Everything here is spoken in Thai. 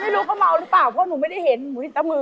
ไม่รู้เขาเมาหรือเปล่าเพราะหนูไม่ได้เห็นหนูเห็นตะมือ